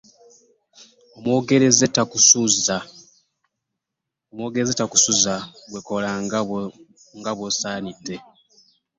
Omweyogereze takusuuza! Ggwe kola nga bwosaanidde.